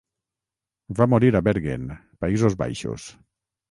Va morir a Bergen, Països Baixos.